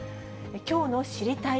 きょうの知りたい